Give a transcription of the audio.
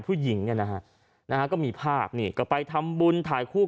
ผู้หญิงเนี่ยนะฮะก็มีภาพนี่ก็ไปทำบุญถ่ายคู่